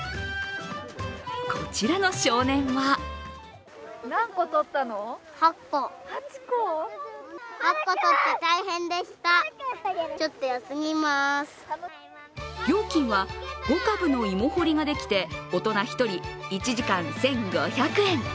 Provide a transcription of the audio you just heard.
こちらの少年は料金は５株の芋掘りができて大人１人１時間１５００円。